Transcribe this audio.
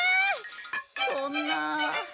そんなあ。